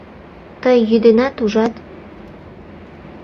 Тый йӱденат, ужат!